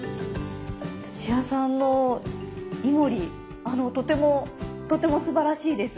土屋さんのイモリとてもとてもすばらしいです。